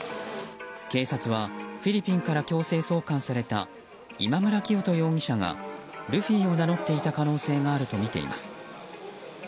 警察はフィリピンから強制送還された今村磨人容疑者がルフィを名乗っていた可能性があるとみています。